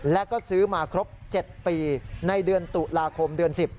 แล้วก็ซื้อมาครบ๗ปีในเดือนตุลาคมเดือน๑๐